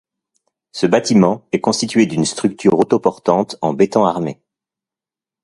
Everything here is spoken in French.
Ce bâtiment est constitué d’une structure autoportante en béton armé.